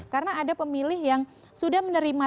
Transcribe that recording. karena ada pemilih yang sudah menerima